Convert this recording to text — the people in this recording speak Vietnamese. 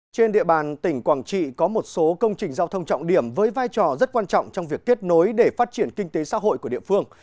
trên địa bàn tỉnh quảng trị có một số công trình giao thông trọng điểm với vai trò rất quan trọng trong việc kết nối để phát triển kinh tế xã hội của địa phương